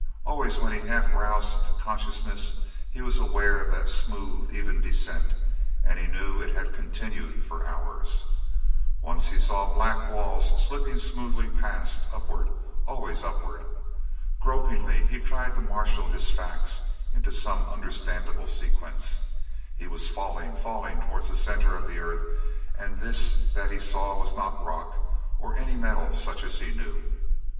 Always when he half roused to consciousness he was aware of that smooth, even descent, and he knew it had continued for hours. Once he saw black walls slipping smoothly past, upward, always upward. Gropingly he tried to marshal his facts into some understandable sequence. He was falling, falling toward the center of the earth, and this that he saw was not rock, or any metal such as he knew.